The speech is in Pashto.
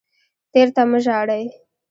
تیر ته مه ژاړئ